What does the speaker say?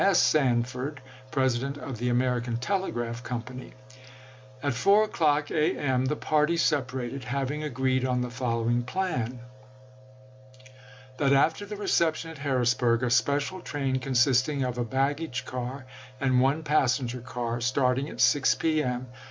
S. Sanford, President of the American Telegraph Company. At 4 o'clock judd to a. m. the party separated, having agreed on the following plan : that after the reception at Harris burg, a special train consisting of a baggage car and one passenger car, starting at 6 p. m.